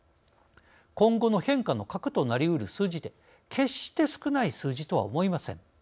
今後の変化の核となりうる数字で決して少ない数字とは思いません。